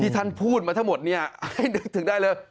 ท่านพูดมาทั้งหมดเนี่ยให้นึกถึงได้เลย